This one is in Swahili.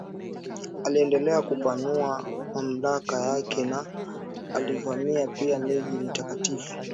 aliendelea kupanua mamlaka yake na alivamia pia miji mitakatifu